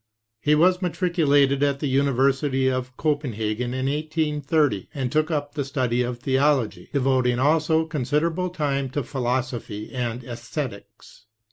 He was matriculated at the University of Copen hagen in 1830, and took up the study of theology, devoting also considerable time to philosophy and esthetics.